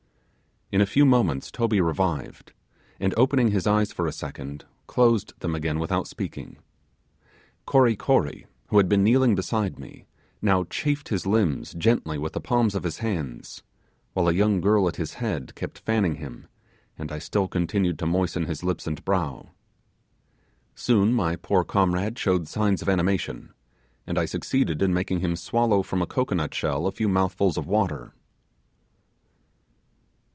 In a few moments Toby revived, and opening his eyes for a second closed them again without speaking. Kory Kory, who had been kneeling beside me, now chafed his limbs gently with the palms of his hands, while a young girl at his head kept fanning him, and I still continued to moisten his lips and brow. Soon my poor comrade showed signs of animation, and I succeeded in making him swallow from a cocoanut shell a few mouthfuls of water.